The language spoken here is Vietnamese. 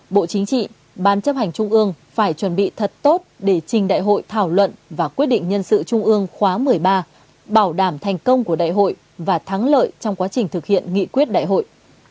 bộ chính trị ban chấp hành trung ương phải chuẩn bị thật tốt để trình đại hội thảo luận và quyết định nhân sự trung ương khóa một mươi ba bảo đảm thành công của đại hội và thắng lợi trong quá trình thực hiện nghị quyết đại hội